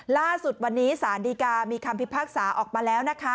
ล่าสุดวันนี้สารดีกามีคำพิพากษาออกมาแล้วนะคะ